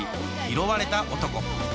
「拾われた男」。